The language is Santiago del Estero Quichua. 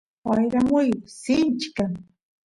wayra muyu sinchi kan